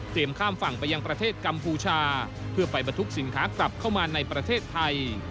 ข้ามฝั่งไปยังประเทศกัมพูชาเพื่อไปบรรทุกสินค้ากลับเข้ามาในประเทศไทย